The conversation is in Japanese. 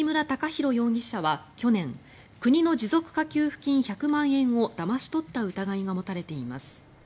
央容疑者は去年国の持続化給付金１００万円をだまし取った疑いが持たれています。